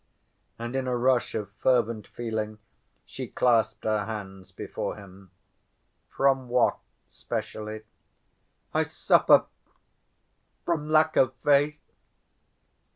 And in a rush of fervent feeling she clasped her hands before him. "From what specially?" "I suffer ... from lack of faith."